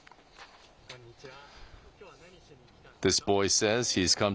こんにちは。